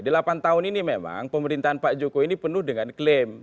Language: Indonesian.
delapan tahun ini memang pemerintahan pak jokowi ini penuh dengan klaim